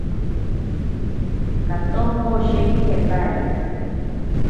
Katonko osheki jetari.